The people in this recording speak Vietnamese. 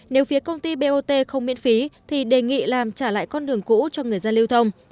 nếu phía công ty bot không miễn phí thì đề nghị làm trả lại con đường cũ cho người dân lưu thông